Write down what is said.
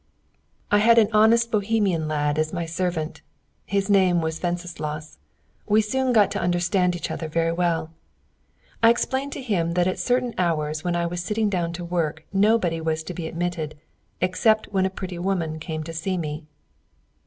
I had an honest Bohemian lad as my servant. His name was Wenceslaus. We soon got to understand each other very well. I explained to him that at certain hours when I was sitting down to work nobody was to be admitted except when a pretty woman came to see me.